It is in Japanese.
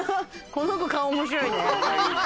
この子、顔、面白いね。